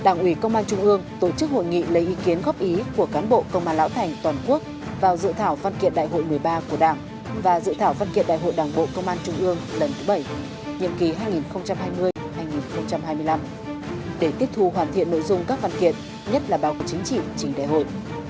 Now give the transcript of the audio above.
đảng ủy công an trung ương tổ chức hội nghị lấy ý kiến góp ý của cán bộ công an lão thành toàn quốc vào dự thảo văn kiện đại hội một mươi ba của đảng và dự thảo văn kiện đại hội đảng bộ công an trung ương lần thứ bảy nhiệm kỳ hai nghìn hai mươi hai nghìn hai mươi năm để tiếp thu hoàn thiện nội dung các văn kiện nhất là báo cáo chính trị trình đại hội